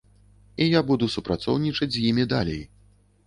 І я буду супрацоўнічаць з імі далей.